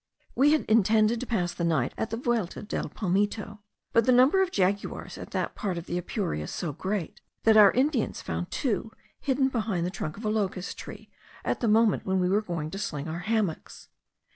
We had intended to pass the night at the Vuelta del Palmito, but the number of jaguars at that part of the Apure is so great, that our Indians found two hidden behind the trunk of a locust tree, at the moment when they were going to sling our hammocks.